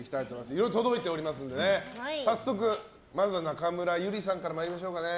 いろいろ届いていますので早速、まずは中村ゆりさんから参りましょう。